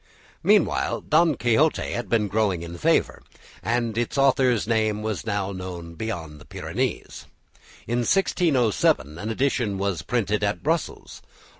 Meanwhile "Don Quixote" had been growing in favour, and its author's name was now known beyond the Pyrenees. In 1607 an edition was printed at Brussels.